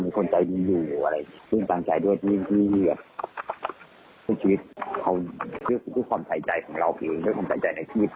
มันมีคนใจดีอยู่ควรตั้งใจด้วยชีวิตเพื่อความใจใจของเรา